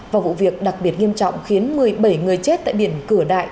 và vụ việc đặc biệt nghiêm trọng khiến một mươi bảy người chết tại biển cửa đại